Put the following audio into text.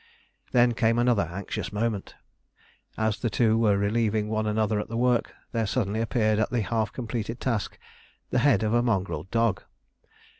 Then came another anxious moment. As the two were relieving one another at the work, there suddenly appeared at the half completed task the head of a mongrel dog.